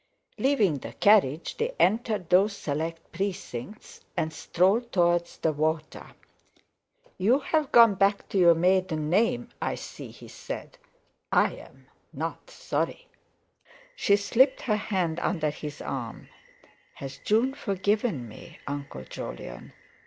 Leaving the carriage, they entered those select precincts, and strolled towards the water. "You've gone back to your maiden name, I see," he said: "I'm not sorry." She slipped her hand under his arm: "Has June forgiven me, Uncle Jolyon?"